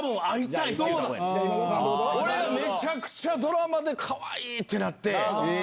俺がめちゃくちゃドラマでかわいい！ってなって。